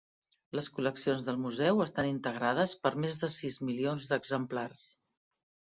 Les col·leccions del Museu estan integrades per més de sis milions d'exemplars.